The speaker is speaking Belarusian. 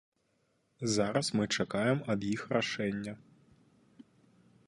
Зараз мы чакаем ад іх рашэння.